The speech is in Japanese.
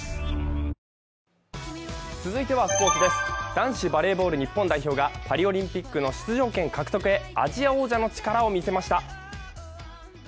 男子バレーボール日本代表がパリオリンピックの出場権獲得へアジア王者の力を見せました。